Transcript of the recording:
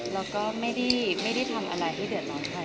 แล้วก็ไม่ได้ทำอะไรให้เดือดร้อนใคร